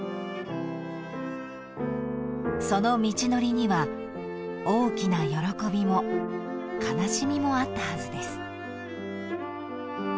［その道のりには大きな喜びも悲しみもあったはずです］